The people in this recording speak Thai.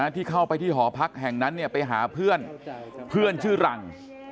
ที่เข้าไปที่หอพักแห่งนั้นไปหาเพื่อนเพื่อนชื่อรัง